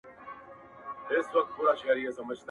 پۀ صنم داسې سخت وختوڼه بۀ دې نۀ راوستۀ